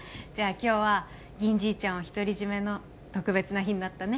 今日は銀じいちゃんを独り占めの特別な日になったね